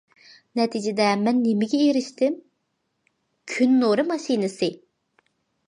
نەتىجىدە مەن نېمىگە ئېرىشتىم؟ كۈن نۇرى ماشىنىسى!